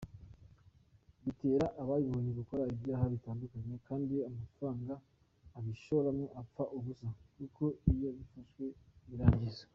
Bitera ababinyoye gukora ibyaha bitandukanye, kandi amafaranga abishorwamo apfa ubusa kuko iyo bifashwe birangizwa.